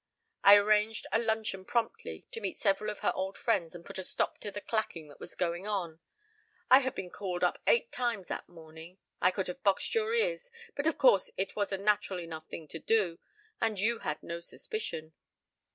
I arranged a luncheon promptly to meet several of her old friends and put a stop to the clacking that was going on I had been called up eight times that morning. ... I could have boxed your ears, but of course it was a natural enough thing to do, and you had no suspicion.